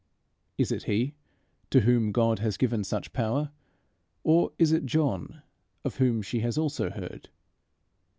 Is it he, to whom God has given such power, or is it John, of whom she has also heard?